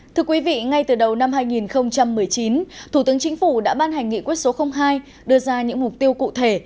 thưa quý vị ngay từ đầu năm hai nghìn một mươi chín thủ tướng chính phủ đã ban hành nghị quyết số hai đưa ra những mục tiêu cụ thể